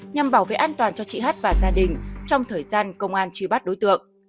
nhằm bảo vệ an toàn cho chị hát và gia đình trong thời gian công an truy bắt đối tượng